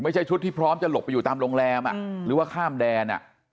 ชุดที่พร้อมจะหลบไปอยู่ตามโรงแรมหรือว่าข้ามแดน